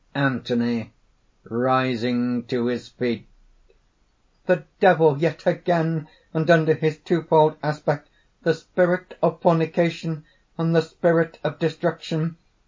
_) ANTHONY (rising to his feet): "The Devil yet again, and under his two fold aspect: the spirit of fornication, and the spirit of destruction.